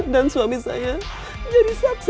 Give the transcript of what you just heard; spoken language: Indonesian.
dan suami saya jadi saksi